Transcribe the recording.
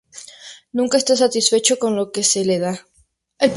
Nunca está satisfecho con lo que se le da.